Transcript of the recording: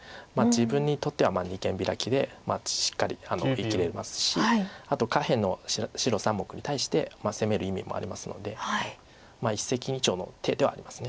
自分にとっては二間ビラキでしっかり生きれますしあと下辺の白３目に対して攻める意味もありますので一石二鳥の手ではあります。